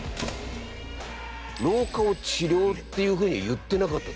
老化を治療っていうふうに言ってなかった。